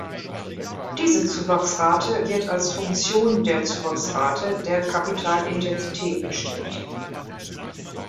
Diese Zuwachsrate wird als Funktion der Zuwachsrate der Kapitalintensität bestimmt.